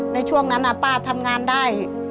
ในช่วงนั้นป้าทำงานได้